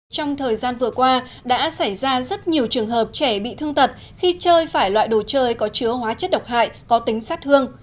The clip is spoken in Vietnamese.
trong thời gian vừa qua đã xảy ra rất nhiều trường hợp trẻ bị thương tật khi chơi phải loại đồ chơi có chứa hóa chất độc hại có tính sát thương